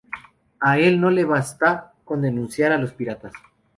A él no le basta con denunciar a los piratas